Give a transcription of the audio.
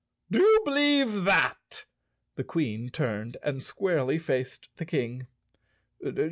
"Do you believe that?" The Queen turned and squarely faced the King.